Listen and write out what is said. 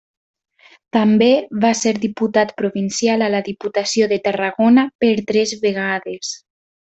També va ser diputat provincial a la Diputació de Tarragona per tres vegades.